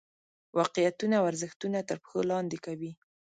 واقعیتونه او ارزښتونه تر پښو لاندې کوي.